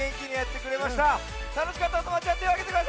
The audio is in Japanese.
たのしかったおともだちはてをあげてください！